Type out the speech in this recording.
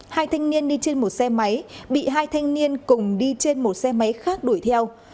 hai thanh niên đi trên một xe máy bị hai thanh niên cùng đi trên một xe máy khác đuổi theo